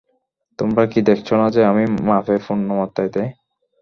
তোমরা কি দেখছ না যে, আমি মাপে পূর্ণ মাত্রায় দেই?